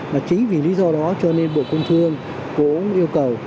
mà chính vì lý do đó cho nên bộ công thương cũng yêu cầu